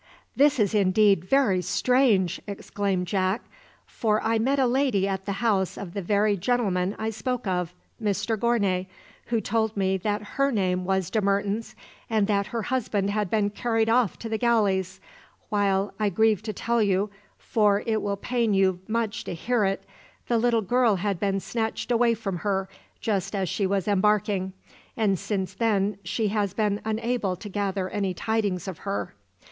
"This is indeed very strange!" exclaimed Jack; "for I met a lady at the house of the very gentleman I spoke of Mr Gournay who told me that her name was De Mertens, and that her husband had been carried off to the galleys, while, I grieve to tell you, for it will pain you much to hear it, the little girl had been snatched away from her just as she was embarking, and since then she has been unable to gather any tidings of her.